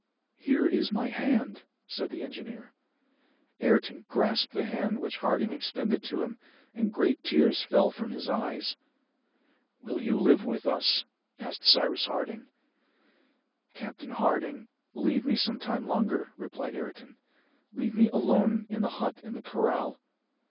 "Here is my hand!" said the engineer. Ayrton grasped the hand which Harding extended to him, and great tears fell from his eyes. "Will you live with us?" asked Cyrus Harding. "Captain Harding, leave me some time longer," replied Ayrton, "leave me alone in the hut in the corral!"